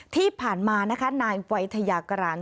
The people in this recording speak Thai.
ที่ผ่านมานะคะนายวัยทยากราน